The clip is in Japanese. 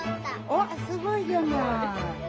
おっすごいじゃない。